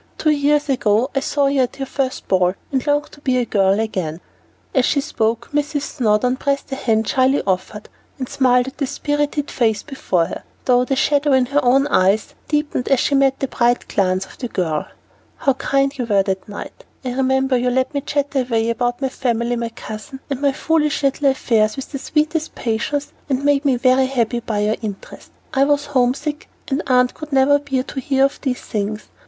Two years ago I saw you at your first ball, and longed to be a girl again." As she spoke, Mrs. Snowdon pressed the hand shyly offered, and smiled at the spirited face before her, though the shadow in her own eyes deepened as she met the bright glance of the girl. "How kind you were that night! I remember you let me chatter away about my family, my cousin, and my foolish little affairs with the sweetest patience, and made me very happy by your interest. I was homesick, and Aunt could never bear to hear of those things.